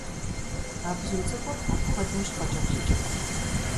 А бзу цӀыкӀур апхуэдэу щхъуэкӀэплъыкӀэкъым.